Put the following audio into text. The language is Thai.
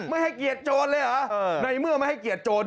ไม่ให้เกียรติโจรเลยเหรอในเมื่อไม่ให้เกียรติโจร